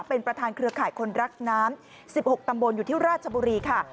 เป็นประธานเครือข่ายคนรักน้ำ๑๖ตำบลอยู่ที่ราชบุรีค่ะ